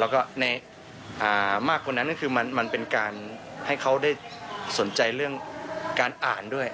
แล้วก็ในมากกว่านั้นก็คือมันเป็นการให้เขาได้สนใจเรื่องการอ่านด้วย